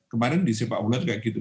kemarin di sipa ula juga gitu